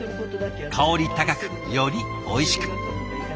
香り高くよりおいしく。